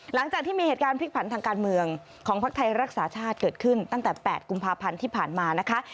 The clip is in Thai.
หลังจากที่มีเหตุการณ์พลิกผันทางการเมืองของภักดิ์ไทยรักษาชาติเกิดขึ้นตั้งแต่๘กุมภาพันธ์ที่ผ่านมานะคะ